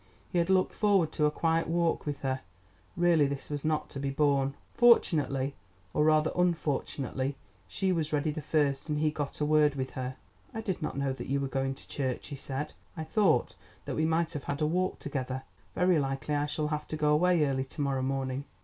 He had looked forward to a quiet walk with her—really this was not to be borne. Fortunately, or rather unfortunately, she was ready the first, and he got a word with her. "I did not know that you were going to church," he said; "I thought that we might have had a walk together. Very likely I shall have to go away early to morrow morning."